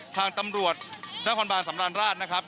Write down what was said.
ทางตำรวจนครบานสำราญราชนะครับ